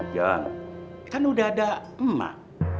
jangan kan udah ada emak